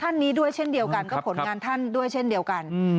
ท่านนี้ด้วยเช่นเดียวกันก็ผลงานท่านด้วยเช่นเดียวกัน